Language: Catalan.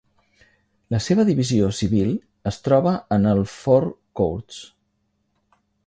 La seva divisió civil es troba en el Four Courts.